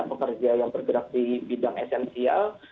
pekerja yang bergerak di bidang esensial